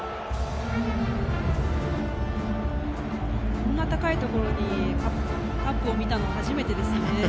こんな高いところにカップを見たのは初めてですね。